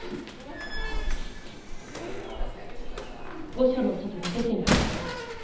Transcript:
御所の外に出てみたいの。